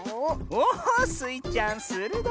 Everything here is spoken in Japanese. おおスイちゃんするどいね。